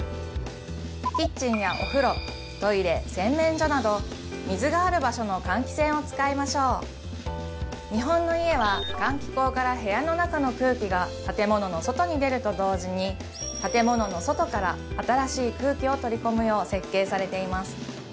キッチンやお風呂トイレ洗面所など水がある場所の換気扇を使いましょう日本の家は換気口から部屋の中の空気が建物の外に出ると同時に建物の外から新しい空気を取り込むよう設計されています